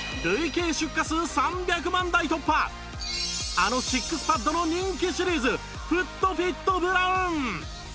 あのシックスパッドの人気シリーズフットフィットブラウン！